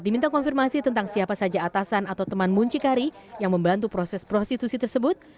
diminta konfirmasi tentang siapa saja atasan atau teman muncikari yang membantu proses prostitusi tersebut